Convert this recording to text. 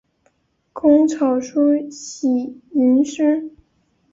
工草书喜吟诗。